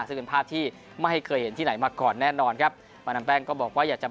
ซึ่งเป็นภาพที่ไม่เคยเห็นที่ไหนมาก่อนแน่นอนครับมาดามแป้งก็บอกว่าอยากจะ